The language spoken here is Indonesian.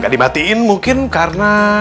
gak dimatiin mungkin karena